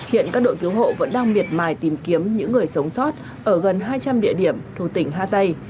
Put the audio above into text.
hiện các đội cứu hộ vẫn đang miệt mài tìm kiếm những người sống sót ở gần hai trăm linh địa điểm thủ tỉnh hà tây